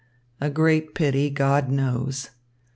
A great pity, God knows.